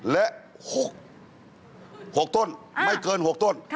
และ๖ต้นไม่เกิน๖ต้น